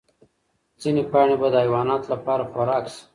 ځینې پاڼې به د حیواناتو لپاره خوراک شي.